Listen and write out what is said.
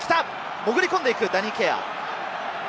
潜り込んでいく、ダニー・ケア。